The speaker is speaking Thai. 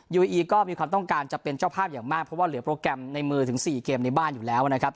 อีก็มีความต้องการจะเป็นเจ้าภาพอย่างมากเพราะว่าเหลือโปรแกรมในมือถึง๔เกมในบ้านอยู่แล้วนะครับ